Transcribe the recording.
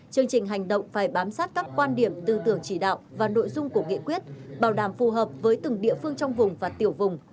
chương trình hành động phải bám sát các quan điểm tư tưởng chỉ đạo và nội dung của nghị quyết bảo đảm phù hợp với từng địa phương trong vùng và tiểu vùng